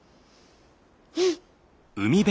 うん！